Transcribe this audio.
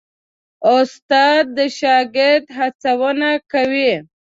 استاد د شاګرد هڅونه کوي.